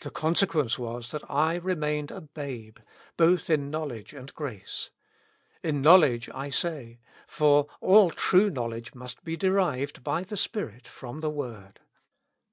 The consequence was that I remained a babe, both in knowledge and grace. In knowledge, I say; for all true 264 Notes. knowledge must be derived, by the Spirit, from the word.